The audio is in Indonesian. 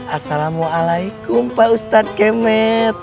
assalamualaikum pak ustadz kemet